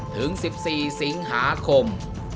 ถึง๑๔สิงหาคม